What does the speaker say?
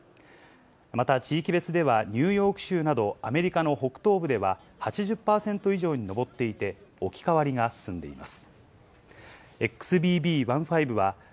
また地域別では、ニューヨーク州など、アメリカの北東部では８０％以上に上っていて、置き換わりが進んでいます。